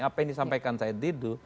apa yang disampaikan said didu